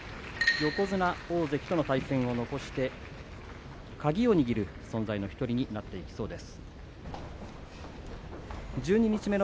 横綱、大関との対戦を残して鍵を握る存在の１人になっていきそうです。